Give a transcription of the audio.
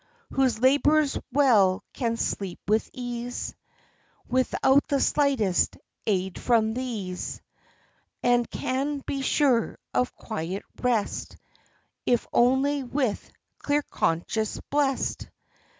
Who labors well can sleep with ease, Without the slightest aid from these; And can be sure of quiet rest, If only with clear conscience blest."